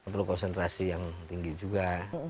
perlu konsentrasi yang tinggi juga